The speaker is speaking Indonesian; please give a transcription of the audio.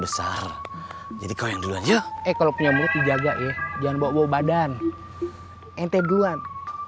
besar jadi kau yang duluan ya eh kalau punya mulut dijaga ya jangan bawa badan ente duluan